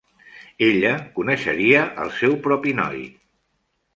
Ella coneixeria el seu propi noi.